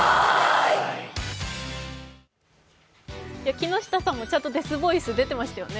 木下さんもちゃんとデスボイス出てましたよね。